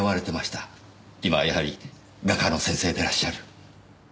今はやはり画家の先生でいらっしゃる？